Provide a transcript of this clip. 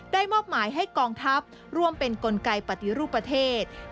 มอบหมายให้กองทัพร่วมเป็นกลไกปฏิรูปประเทศ